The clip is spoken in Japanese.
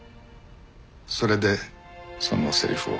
それでそのセリフを。